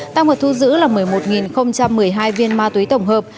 tăng vật thu giữ là một mươi một một mươi hai viên ma túy tổng hợp